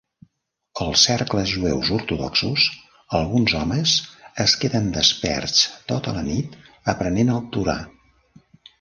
Als cercles jueus ortodoxos, alguns homes es queden desperts tota la nit aprenent el Torà.